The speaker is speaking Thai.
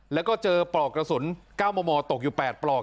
แล้วก็เจอปลอกกระสุน๙มมตกอยู่๘ปลอก